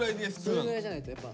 それぐらいじゃないとやっぱ。